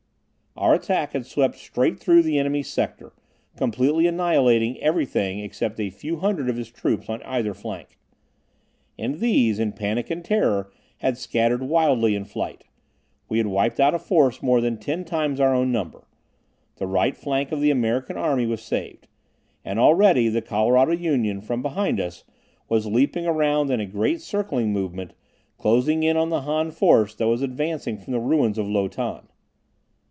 Our attack had swept straight through the enemy's sector, completely annihilating everything except a few hundred of his troops on either flank. And these, in panic and terror, had scattered wildly in flight. We had wiped out a force more than ten times our own number. The right flank of the American army was saved. And already the Colorado Union, from behind us, was leaping around in a great circling movement, closing in on the Han force that was advancing from the ruins of Lo Tan.